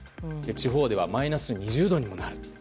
地方ではマイナス２０度にもなる。